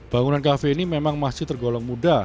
bangunan cafe ini memang masih tergolong muda